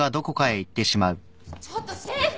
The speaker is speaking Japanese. ちょっとシェフ！